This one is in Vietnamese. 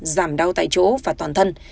giảm đau tại chỗ và toàn thân